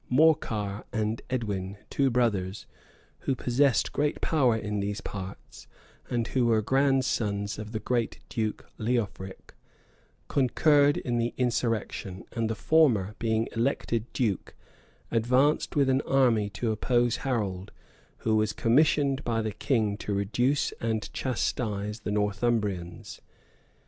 Morcar and Edwin, two brothers, who possessed great power in those parts, and who were grandsons of the great duke, Leofric, concurred in the insurrection; and the former, being elected duke, advanced with an army to oppose Harold, who was commissioned by the king to reduce and chastise the Northumbrians.